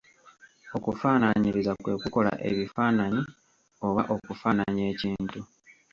Okufaanaanyiriza kwe kukola ebifaananyi oba okufaananya ekintu.